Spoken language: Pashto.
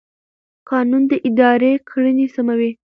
قانون د ادارې کړنې سموي.